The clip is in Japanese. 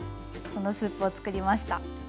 そのスープを作りました。